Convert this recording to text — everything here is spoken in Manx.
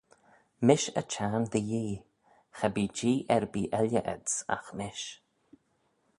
Mish y çhiarn dty Yee; cha bee Jee erbee elley ayd's, agh mish.